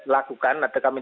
lakukan atau kami